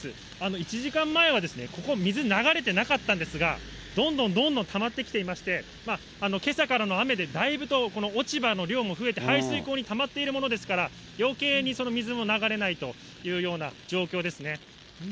１時間前は、ここ、水流れてなかったんですが、どんどんどんどんたまってきていまして、けさからの雨で、だいぶとこの落ち葉の量も増えて、排水溝にたまっているものですから、よけいに水も流れないというような状況ですね。